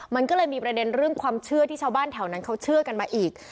มันก็เลยมีประเด็นเรื่องความเชื่อที่ชาวบ้านแถวนั้นเขาเชื่อกันมาอีก